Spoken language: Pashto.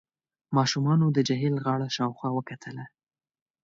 ماشومانو د جهيل غاړه شاوخوا وکتله.